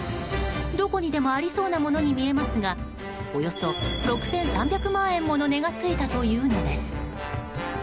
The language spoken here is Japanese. どこにでもありそうなものに見えますがおよそ６３００万円もの値がついたというのです。